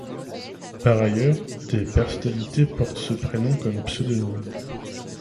Par ailleurs, des personnalités portent ce prénom comme pseudonyme.